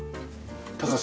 高さ。